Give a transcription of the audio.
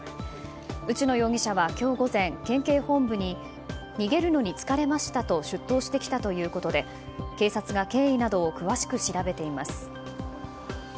内野容疑者は今日午前県警本部に逃げるのに疲れましたと出頭してきたということで警察が経緯などを詳しく調べています。